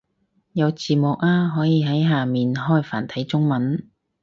有字幕啊，可以喺下面開繁體中文